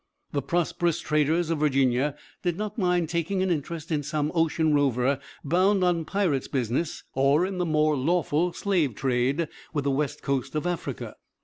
The prosperous traders of Virginia did not mind taking an interest in some ocean rover bound on pirate's business, or in the more lawful slave trade with the west coast of Africa.